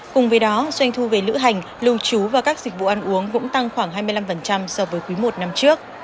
cùng với đó doanh thu về lữ hành lưu trú và các dịch vụ ăn uống cũng tăng khoảng hai mươi năm so với quý i năm trước